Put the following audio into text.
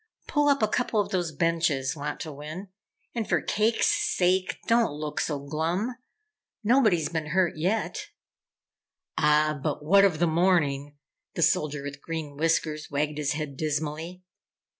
Pull up a couple of those benches, Wantowin, and for cake's sake, don't look so glum! Nobody's been hurt yet!" "Ah but what of the morning?" The Soldier with Green Whiskers wagged his head, dismally.